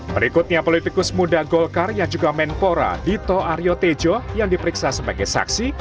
berikutnya politikus muda golkar yang juga menpora dito aryo tejo yang diperiksa sebagai saksi